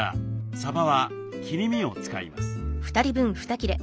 さばは切り身を使います。